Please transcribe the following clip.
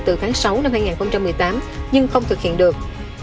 từ tháng sáu năm hai nghìn một mươi tám nhưng không thực hiện được